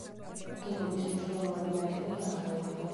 ნაგებობის მნიშვნელოვანი ნაწილი დანგრეულია.